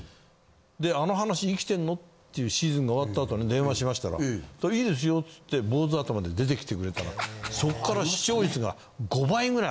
であの話生きてんの？ってシーズンが終わったあとに電話しましたら「いいですよ」っつって坊主頭で出てきてくれたらそっから。